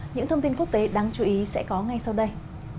những thông tin quốc tế đáng chú ý sẽ có ngay sau đây